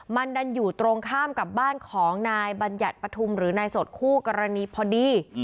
มันดันอยู่ตรงข้ามกับบ้านของนายบัญญัติปฐุมหรือนายสดคู่กรณีพอดี